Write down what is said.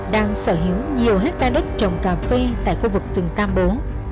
đang sở hữu nhiều hectare đất trồng cà phê tại khu vực rừng tam bố